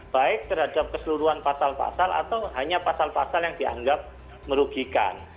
baik terhadap keseluruhan pasal pasal atau hanya pasal pasal yang dianggap merugikan